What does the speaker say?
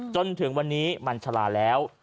จนถึงวันนี้มันชะลาแล้ว